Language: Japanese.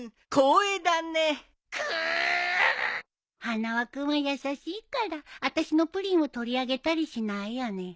花輪君は優しいからあたしのプリンを取り上げたりしないよね。